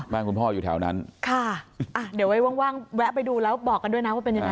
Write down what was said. คุณพ่ออยู่แถวนั้นค่ะอ่ะเดี๋ยวไว้ว่างแวะไปดูแล้วบอกกันด้วยนะว่าเป็นยังไง